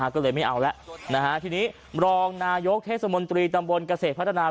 ก็เลยไม่เอาแล้วทีนี้รองนายกเทศมนตรีตำบลเกษตรพัฒนา